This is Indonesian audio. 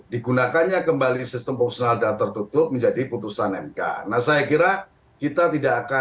digunakannya kembali sistem proporsional daftar tertutup menjadi putusan mk nah saya kira kita